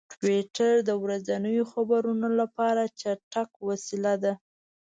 ټویټر د ورځنیو خبرونو لپاره چټک وسیله ده.